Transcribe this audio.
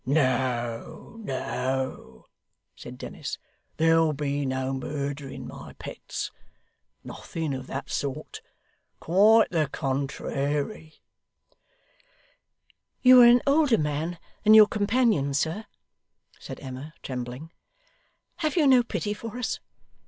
'No, no,' said Dennis, 'there'll be no murdering, my pets. Nothing of that sort. Quite the contrairy.' 'You are an older man than your companion, sir,' said Emma, trembling. 'Have you no pity for us?